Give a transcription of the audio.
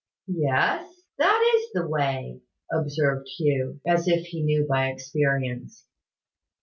"Yes, that is the way," observed Hugh, as if he knew by experience.